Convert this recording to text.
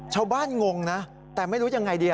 ชาวบ้านงงนะแต่ไม่รู้ยังไงดี